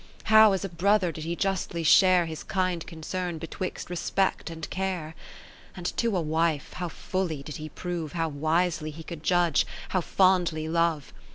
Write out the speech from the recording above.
Owejty up07i her greatest loss How as a brother did he justly share His kind concern betwixt respect and care ? 50 And to a wife how fully did he prove How wisely he could judge, how fondly love